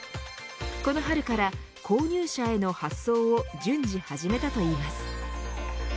この春から購入者への発送を順次、始めたといいます。